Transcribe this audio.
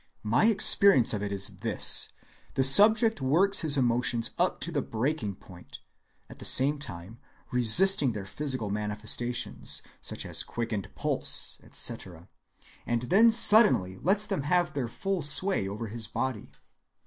My explanation of it is this: the subject works his emotions up to the breaking point, at the same time resisting their physical manifestations, such as quickened pulse, etc., and then suddenly lets them have their full sway over his body.